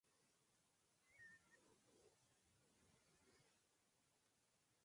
De este modo, la batería se carga sin necesidad de conectarse mediante cables.